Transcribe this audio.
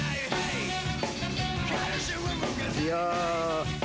いや。